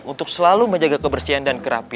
untuk selalu menjaga kebersihan dan kerapi